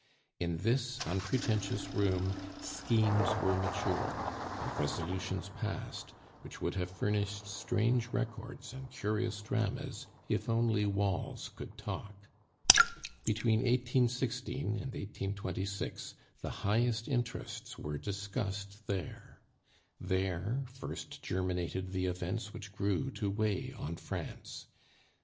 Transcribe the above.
In this unpretentious room schemes were matured, and resolutions passed, which would have furnished strange records and curious dramas if only walls could talk. Between 1816 and 1826 the highest interests were discussed there. There first germinated the events which grew to weigh on France.